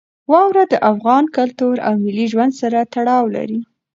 واوره د افغان کلتور او ملي ژوند سره تړاو لري.